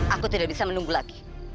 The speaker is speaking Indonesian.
aku tidak bisa menunggu lagi